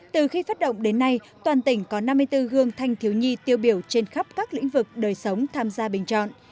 từ khi phát động đến nay toàn tỉnh có năm mươi bốn gương thanh thiếu nhi tiêu biểu trên khắp các lĩnh vực đời sống tham gia bình chọn